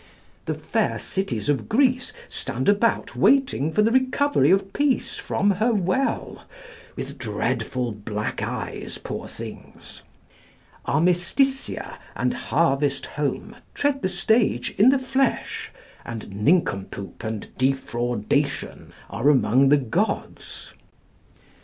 The fair cities of Greece stand about waiting for the recovery of Peace from her Well, with dreadful black eyes, poor things; Armisticia and Harvest Home tread the stage in the flesh, and Nincompoop and Defraudation are among the gods.